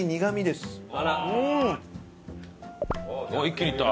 一気にいった。